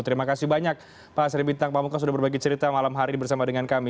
terima kasih banyak pak sri bintang pamungkas sudah berbagi cerita malam hari bersama dengan kami